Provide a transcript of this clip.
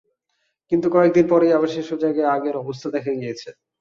কিন্তু কয়েক দিন পরই আবার সেসব জায়গায় আগের অবস্থা দেখা দিয়েছে।